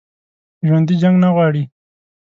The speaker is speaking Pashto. ژوندي جنګ نه غواړي